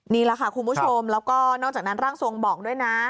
นี่แหละค่ะคุณผู้ชมแล้วก็นอกจากนั้นร่างทรงบอกด้วยนะ